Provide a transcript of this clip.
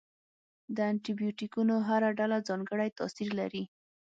د انټي بیوټیکونو هره ډله ځانګړی تاثیر لري.